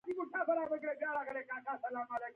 د خپلو کړنو مسؤل او د داخل څخه ځواکمن وي.